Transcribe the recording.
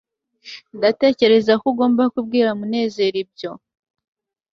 ndatekereza ko ugomba kubwira munezero ibyo